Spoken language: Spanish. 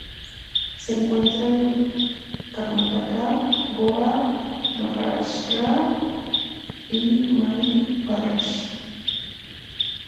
Se encuentra en Karnataka, Goa, Maharashtra y Madhya Pradesh.